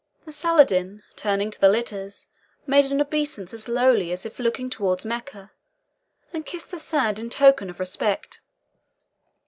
The Soldan, turning to the litters, made an obeisance as lowly as if looking towards Mecca, and kissed the sand in token of respect.